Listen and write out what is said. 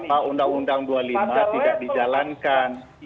bahwa undang undang dua puluh lima tidak dijalankan